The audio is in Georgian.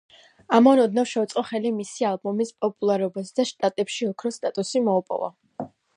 ამან ოდნავ შეუწყო ხელი მისი ალბომის პოპულარობას და შტატებში ოქროს სტატუსი მოუპოვა.